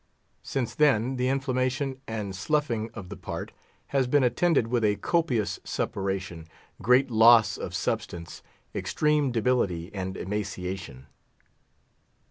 Since then, the inflammation and sloughing of the part has been attended with a copious suppuration, great loss of substance, extreme debility and emaciation.